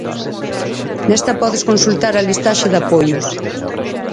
Nesta podes consultar a listaxe de apoios.